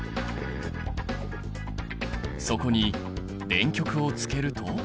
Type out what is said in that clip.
そこに電極をつけると。